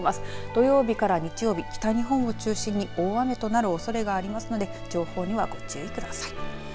土曜日から日曜日、北日本を中心に大雨となるおそれがありますので情報には、ご注意ください。